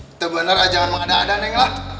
itu bener ajangan mengada ada neng